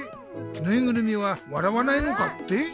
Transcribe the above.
ぬいぐるみは笑わないのかって？